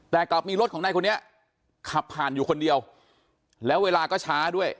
แต่กลับมีรถของนายคนนี้ขับผ่านอยู่คนเดียวแล้วเวลาก็ช้าด้วย